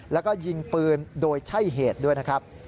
แล้วก็ยิงปืนโดยใช่เหตุด้วยนะครับ